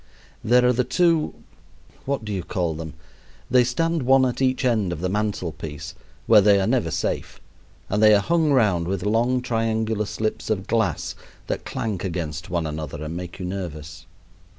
There are the two what do you call them? they stand one at each end of the mantel piece, where they are never safe, and they are hung round with long triangular slips of glass that clank against one another and make you nervous.